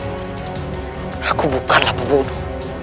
rasim aku bukanlah pembunuh